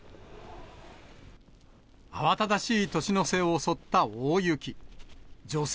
慌ただしい年の瀬を襲った大雪。